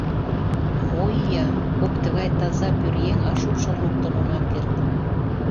— Мо ия, кок тыгай таза пӧръеҥ, а шупшын луктын она керт!